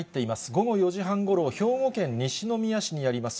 午後４時半ごろ、兵庫県西宮市にあります